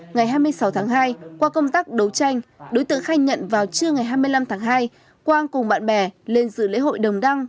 ngày hai mươi sáu tháng hai qua công tác đấu tranh đối tượng khai nhận vào trưa ngày hai mươi năm tháng hai quang cùng bạn bè lên dự lễ hội đồng đăng